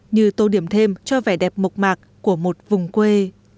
như tô điểm thêm cho vẻ đẹp mộc mạc của một vùng quê